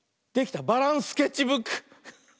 「バランスケッチブック」！